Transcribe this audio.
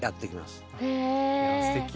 すてき。